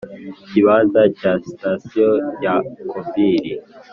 Ikibanza cya sitasiyo ya Kobili